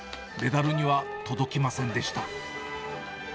メダルには届きませんでした。